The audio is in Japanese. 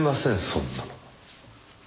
そんなの。